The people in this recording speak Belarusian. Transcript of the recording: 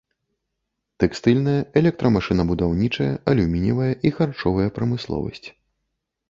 Тэкстыльная, электрамашынабудаўнічая, алюмініевая і харчовая прамысловасць.